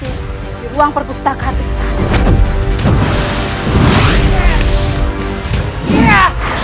di ruang perpustakaan istana